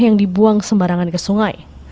yang dibuang sembarangan ke sungai